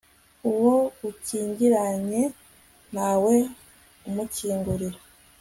uwo akingiranye, nta we umukingurira